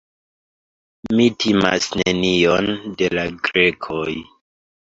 Mi timas nenion de la Grekoj.